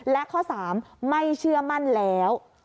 และข้อ๓ไม่เชื่อมั่นแล้ว